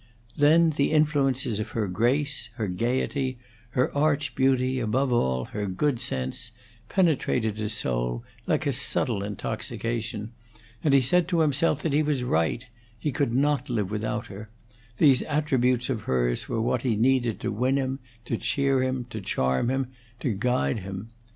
Then the influences of her grace, her gayety, her arch beauty, above all, her good sense, penetrated his soul like a subtle intoxication, and he said to himself that he was right; he could not live without her; these attributes of hers were what he needed to win him, to cheer him, to charm him, to guide him.